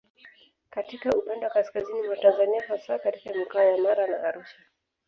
Katika upande wa kaskazini mwa Tanzania hasa katika Mikoa ya Mara na Arusha